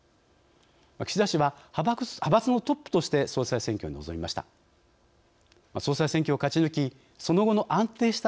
岸田氏は、派閥のトップとして総裁選挙に臨みました。